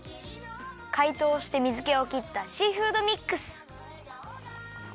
かいとうして水けを切ったシーフードミックス。